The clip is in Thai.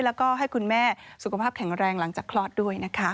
แล้วก็ให้คุณแม่สุขภาพแข็งแรงหลังจากคลอดด้วยนะคะ